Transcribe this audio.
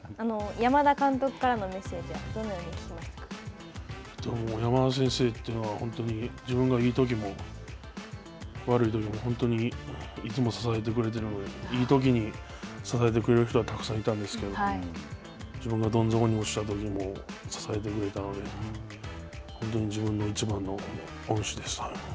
山田監督からのメッセージは山田先生というのは、本当に自分がいいときも、悪いときも、本当にいつも支えてくれているので、いいときに支えてくれる人はたくさんいたんですけれども、自分がどん底に落ちたときにも支えてくれたので、本当に自分の一番の恩師です。